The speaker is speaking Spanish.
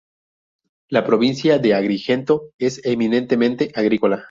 La provincia de Agrigento es eminentemente agrícola.